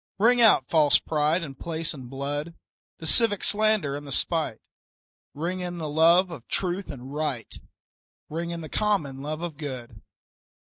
Ring out false pride in place and blood, The civic slander and the spite; Ring in the love of truth and right, Ring in the common love of good.